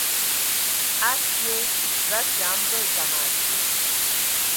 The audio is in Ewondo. Akie za kia mbə dzam adi.